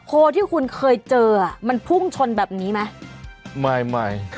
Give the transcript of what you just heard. โคที่คุณเคยเจอมันพุ่งชนแบบนี้ไหม